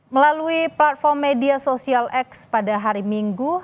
melalui platform media sosial x pada hari minggu